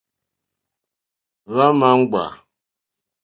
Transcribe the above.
Hwá ǃma ŋɡbà.